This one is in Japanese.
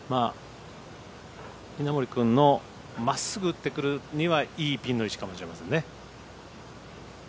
稲森君のまっすぐ打ってくるにはいいピンの位置かもしれませんね。